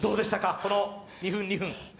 この２分、２分。